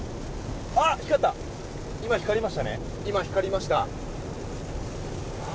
今、光りました！